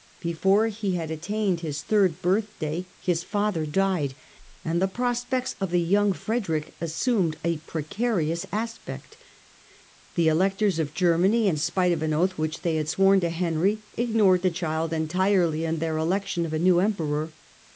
Before he had attained his third birthday his father died and the prospects of the young Frederick assumed a precarious aspect. The Electors of Germany, in spite of an oath which they had sworn to Henry, ignored the child entirely in their election of a new Emperor.